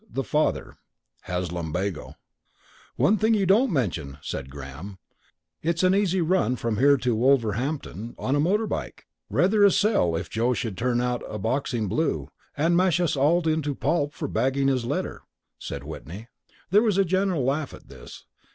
The Father. Has lumbago." "One thing you don't mention," said Graham. "It's an easy run from here to Wolverhampton on a motor bike!" "Rather a sell if Joe should turn out a boxing blue, and mash us all into pulp for bagging his letter!" said Whitney. There was a general laugh at this.